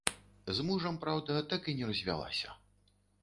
З мужам, праўда, так і не развялася.